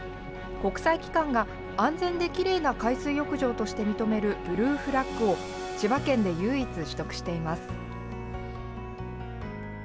国際機関が安全できれいな海水浴場として認めるブルーフラッグを千葉県で唯一、取得しています。